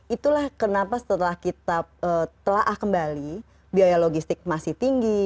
itulah kenapa setelah kita telah kembali biaya logistik masih tinggi